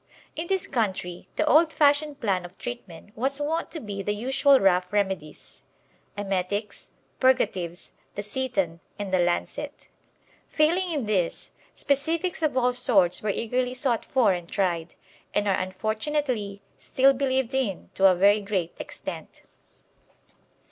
In this country the old fashioned plan of treatment was wont to be the usual rough remedies emetics, purgatives, the seton, and the lancet. Failing in this, specifics of all sorts were eagerly sought for and tried, and are unfortunately still believed in to a very great extent.